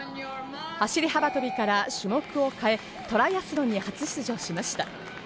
走り幅跳びから種目を変え、トライアスロンに出場しました。